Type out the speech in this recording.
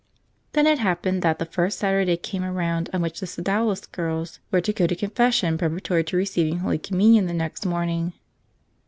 Then it happened that the first Saturday came around, on which the Sodalist girls were to go to con¬ fession preparatory to receiving Holy Communion the next morning.